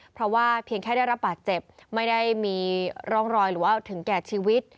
เพราะว่าเพียงแค่ได้รับบาดเจ็บไม่ได้มีร่องรอยหรือว่าถึงแก่ชีวิต